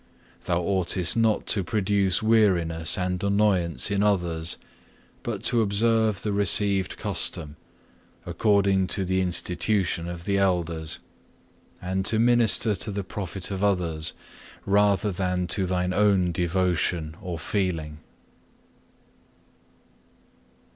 Thou oughtest not to produce weariness and annoyance in others, but to observe the received custom, according to the institution of the elders; and to minister to the profit of others rather than to thine own devotion or feeling.